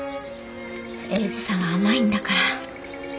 英治さんは甘いんだから。